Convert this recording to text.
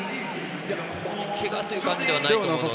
けがという感じではないと思います。